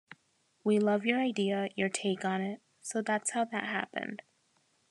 We love your idea, your take on it. So that's how that happened.